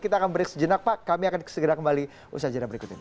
kita akan break sejenak pak kami akan segera kembali usaha jadwal berikut ini